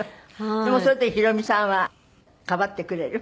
でもそういう時ヒロミさんはかばってくれる？